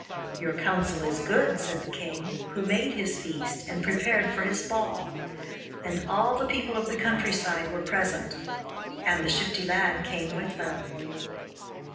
'Your counsel is good,' said the king, who made his feast and prepared for his ball; and all the people of the countryside were present, and the Shifty Lad came with them.